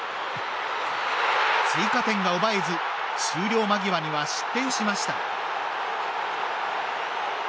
追加点が奪えず終了間際には失点しました。